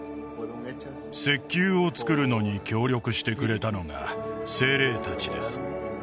石球を造るのに協力してくれたのが精霊達です